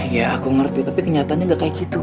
iya aku ngerti tapi kenyataannya gak kayak gitu